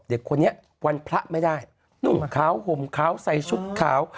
เด็กคนนี้วันพระไม่ได้หนุ่มขาวห่มขาวใส่ชุดขาว